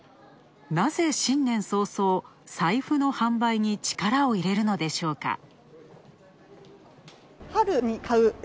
なぜ新年早々、財布の販売に力を入れるのでしょうか。